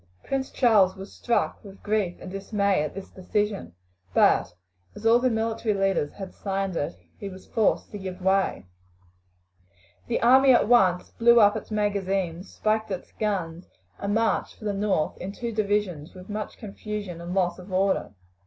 Prince Charles was struck with grief and dismay at this decision, but as all the military leaders had signed it he was forced to give way. The army at once blew up its magazines, spiked its guns, and marched for the north in two divisions with much confusion and loss of order.